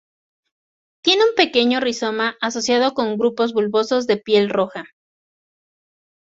Tiene un pequeño rizoma asociado con grupos bulbos de piel roja.